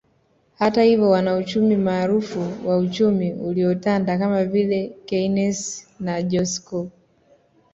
Hata hivyo wanauchumi maarufu wa uchumi uliotanda kama vile Keynes na Joskow